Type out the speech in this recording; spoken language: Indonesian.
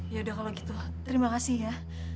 ya udah kalau gitu terima kasih ya